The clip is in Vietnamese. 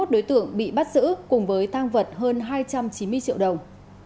ba mươi một đối tượng bị bắt giữ cùng với thang vật hơn hai trăm chín mươi triệu đồng